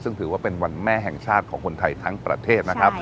ซึ่งถือว่าเป็นวันแม่แห่งชาติของคนไทยทั้งประเทศนะครับ